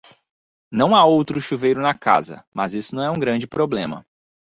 Não há outro chuveiro na casa, mas isso não é um grande problema.